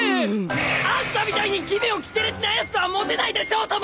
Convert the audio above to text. あんたみたいに奇妙きてれつなやつはモテないでしょうとも！